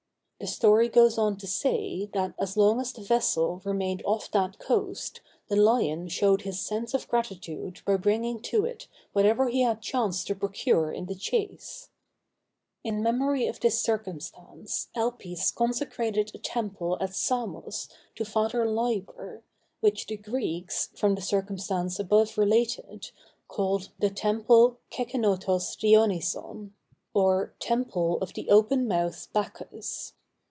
The story goes on to say, that as long as the vessel remained off that coast, the lion showed his sense of gratitude by bringing to it whatever he had chanced to procure in the chase. In memory of this circumstance, Elpis consecrated a temple at Samos to Father Liber, which the Greeks, from the circumstance above related, called "the temple κεχηνότος Διονύσον," or "temple of the open mouthed Bacchus."